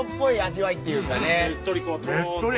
ねっとりこうとろっと。